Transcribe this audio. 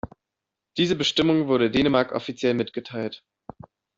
Diese Bestimmung wurde Dänemark offiziell mitgeteilt.